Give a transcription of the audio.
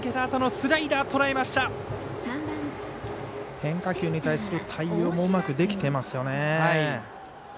変化球に対する対応もうまくできてますよね。